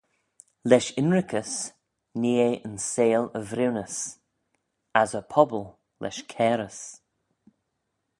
Lesh ynrickys nee eh yn seihll y vriwnys: as y pobble lesh cairys.